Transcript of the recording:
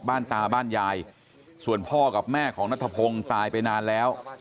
ตาบ้านยายส่วนพ่อกับแม่ของนัทพงศ์ตายไปนานแล้ว